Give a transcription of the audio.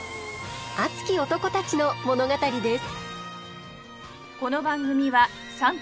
熱き男たちの物語です。